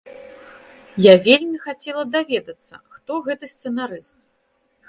Я б вельмі хацела даведацца, хто гэты сцэнарыст.